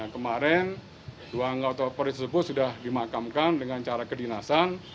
kemarin dua anggota polri tersebut sudah dimakamkan dengan cara kedinasan